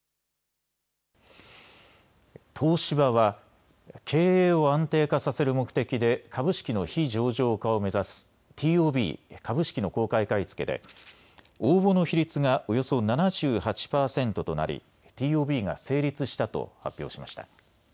東芝は経営を安定化させる目的で株式の非上場化を目指すＴＯＢ・株式の公開買い付けで応募の比率がおよそ７８％となりＴＯＢが成立したと発表しました。